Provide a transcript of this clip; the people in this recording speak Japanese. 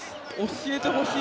教えてほしい。